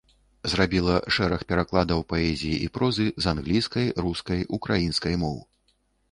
Зрабіла шэраг перакладаў паэзіі і прозы з англійскай, рускай, украінскай моў.